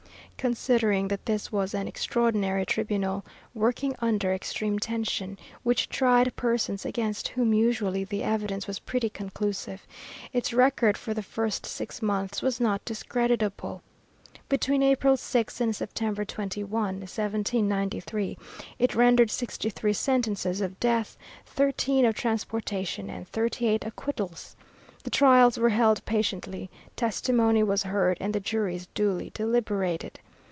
Considering that this was an extraordinary tribunal, working under extreme tension, which tried persons against whom usually the evidence was pretty conclusive, its record for the first six months was not discreditable. Between April 6 and September 21, 1793, it rendered sixty three sentences of death, thirteen of transportation, and thirty eight acquittals. The trials were held patiently, testimony was heard, and the juries duly deliberated.